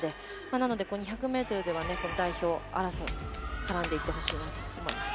なので、１００ｍでは代表争い絡んでいってほしいなと思います。